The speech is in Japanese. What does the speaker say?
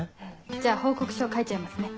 じゃあ報告書書いちゃいますね。